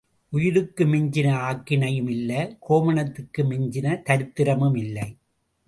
உயிருக்கு மிஞ்சின ஆக்கினையும் இல்லை கோவணத்துக்கு மிஞ்சின தரித்திரமும் இல்லை.